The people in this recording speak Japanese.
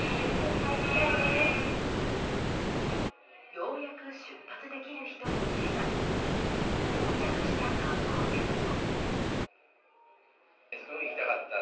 ようやく出発できる人もいれば到着した観光客も。